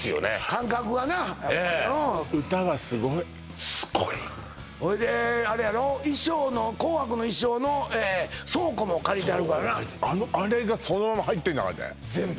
感覚はなあやっぱうん歌はすごいほいであれやろ衣装の紅白の衣装の倉庫も借りてはるからなあのあれがそのまま入ってんだからね全部？